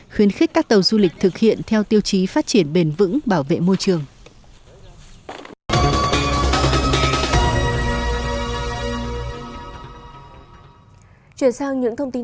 khuyến khích các tàu du lịch thực hiện theo tiêu chí phát triển bền vững bảo vệ môi trường